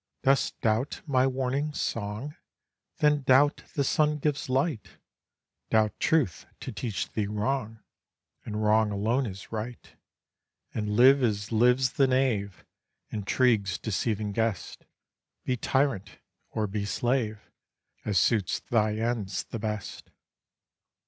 Dost doubt my warning song? Then doubt the sun gives light, Doubt truth to teach thee wrong, And wrong alone as right; And live as lives the knave, Intrigue's deceiving guest, Be tyrant, or be slave, As suits thy ends the best.